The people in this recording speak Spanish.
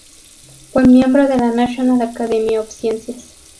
Fue miembro de la National Academy of Sciences.